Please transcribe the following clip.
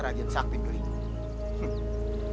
saya akan memberikanmu kekuatan